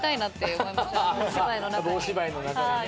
お芝居の中に。